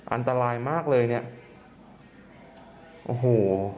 อันตรายมากเลยเนี่ยโอ้โห